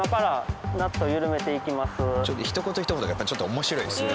ひと言ひと言がやっぱりちょっと面白いですね。